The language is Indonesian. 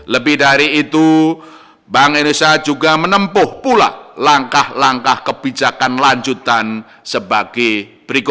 lebih dari itu bank indonesia juga menempuh pula langkah langkah kebijakan lanjutan sebagai berikut